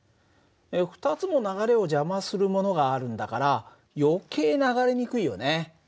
２つも流れを邪魔するものがあるんだから余計流れにくいよね。